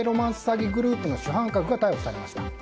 詐欺グループの主犯格が逮捕されました。